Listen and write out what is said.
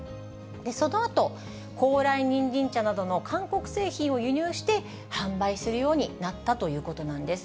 そのあと、高麗人参茶などの韓国製品を輸入して、販売するようになったということなんです。